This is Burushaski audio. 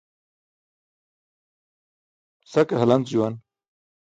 Sa ke halanc juwn.